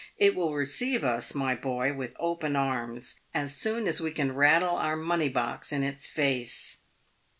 It will receive us, my boy, with open arms, as soon as we can rattle our money box in its face.